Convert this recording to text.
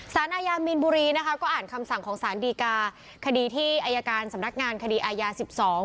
สารอาญามีนบุรีนะคะก็อ่านคำสั่งของสารดีกาคดีที่อายการสำนักงานคดีอายาสิบสอง